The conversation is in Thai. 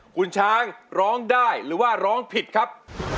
คุณช้างร้องได้หรือว่าร้องผิดครับ